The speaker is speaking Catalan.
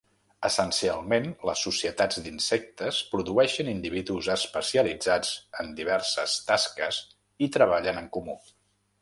Essencialment les societats d'insectes produeixen individus especialitzats en diverses tasques i treballen en comú.